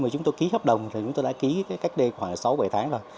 khi mà chúng tôi đã ký hợp đồng thì chúng tôi đã ký cái cách đây khoảng sáu bảy tháng rồi